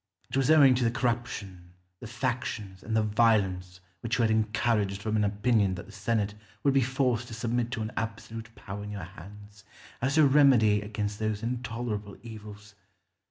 It was owing to the corruption, the factions, and the violence which you had encouraged from an opinion that the senate would be forced to submit to an absolute power in your hands, as a remedy against those intolerable evils.